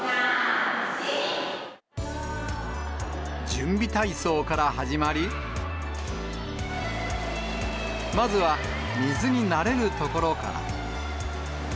準備体操から始まり、まずは水に慣れるところから。